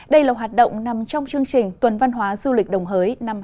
đây là hoạt động nằm trong chương trình tuần văn hóa du lịch đồng hới năm hai nghìn hai mươi bốn